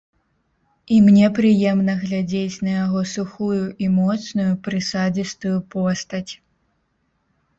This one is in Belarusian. І мне прыемна глядзець на яго сухую і моцную, прысадзістую постаць.